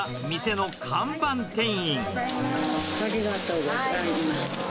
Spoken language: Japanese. ありがとうございます。